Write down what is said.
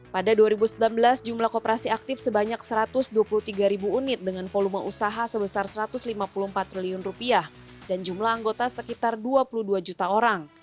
pada dua ribu sembilan belas jumlah kooperasi aktif sebanyak satu ratus dua puluh tiga ribu unit dengan volume usaha sebesar satu ratus lima puluh empat triliun dan jumlah anggota sekitar dua puluh dua juta orang